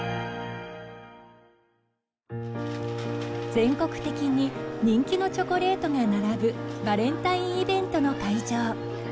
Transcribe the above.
⁉全国的に人気のチョコレートが並ぶバレンタインイベントの会場。